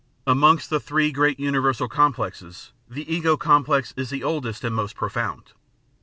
Amongst the three great universal complexes the ego com plex is the oldest and most profound.